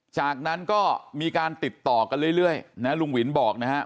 จากนั้นก็มีการติดต่อกันเรื่อยนะลุงหวินบอกนะครับ